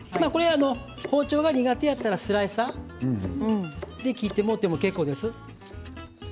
包丁が苦手だったらスライサーで切ってもらっても結構です。